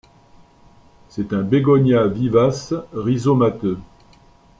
C'est un bégonia vivace rhizomateux.